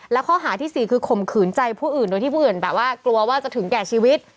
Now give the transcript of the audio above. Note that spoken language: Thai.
และข้อหาที่๔คือข่มขืนใจผู้อื่นโดยที่ผู้อื่นแบบว่ากลัวว่าจะถึงแก่ชีวิต